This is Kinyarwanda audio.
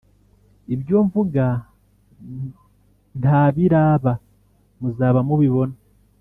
ibyo mvuga ntabirabamuzaba mubibona